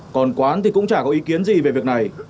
còn quán thì cũng chả có ý kiến gì về việc này